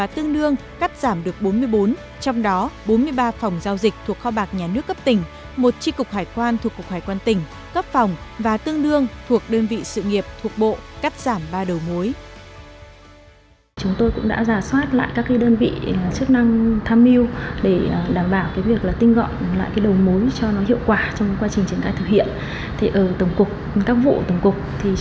tổng cục hải quan giảm được một mươi ba đồ mối cấp phòng thuộc vụ thuộc tổng cục